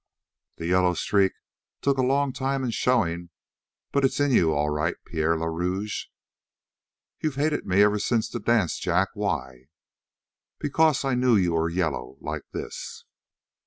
"The yellow streak took a long time in showin', but it's in you, all right, Pierre le Rouge." "You've hated me ever since the dance, Jack. Why?" "Because I knew you were yellow like this!"